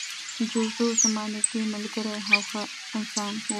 جوزف زما نږدې ملګری و او ښه انسان و